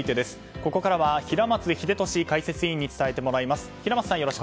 ここからは平松秀敏解説委員に伝えてもらいます。